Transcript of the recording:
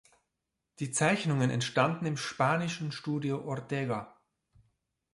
Die Zeichnungen entstanden im spanischen Studio Ortega.